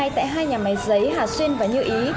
tại hai nhà máy giấy hà xuyên và như ý